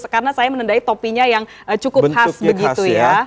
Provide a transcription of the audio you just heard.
karena saya menendai topinya yang cukup khas begitu ya